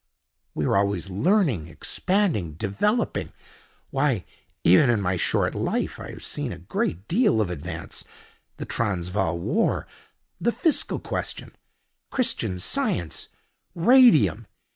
"We are always learning, expanding, developing. Why, even in my short life I have seen a great deal of advance—the Transvaal War, the Fiscal Question, Christian Science, Radium.